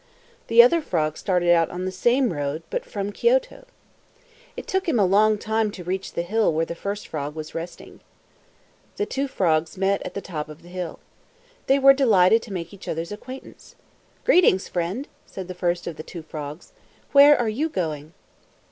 The other frog started out on the same road, but from Kioto. It took him a long time to reach the hill where the first frog was resting. The two frogs met at the top of the hill. They were delighted to make each other's acquaintance. "Greetings, friend!" said the first of the two frogs. "Where are you going?"